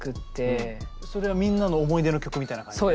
それはみんなの思い出の曲みたいな感じで？